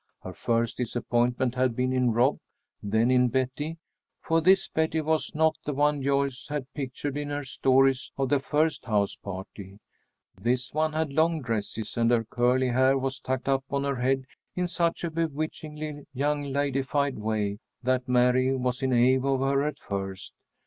Her first disappointment had been in Rob, then in Betty. For this Betty was not the one Joyce had pictured in her stories of the first house party. This one had long dresses, and her curly hair was tucked up on her head in such a bewitchingly young ladified way that Mary was in awe of her at first.